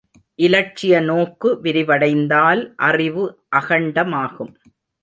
இலட்சிய நோக்கு விரிவடைந்தால் அறிவு அகண்டமாகும்!